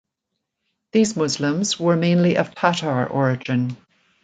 These Muslims were mainly of Tatar origin.